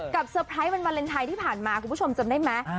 เซอร์ไพรส์วันวาเลนไทยที่ผ่านมาคุณผู้ชมจำได้ไหม